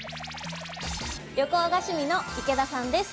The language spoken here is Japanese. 旅行が趣味の池田さんです。